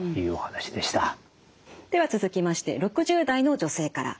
では続きまして６０代の女性から。